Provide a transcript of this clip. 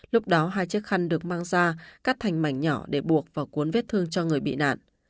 lúc đó hai chiếc khăn được mang ra cắt thành mảnh nhỏ để buộc và cuốn vết thương cho người bị nạn